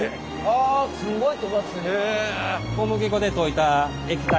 わあすごい。